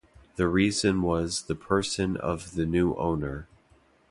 The reason was the person of the new owner.